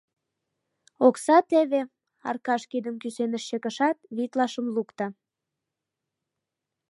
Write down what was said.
Окса теве, — Аркаш кидым кӱсеныш чыкышат, витлашым лукто.